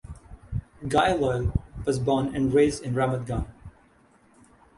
Guy Loel was born and raised in Ramat Gan.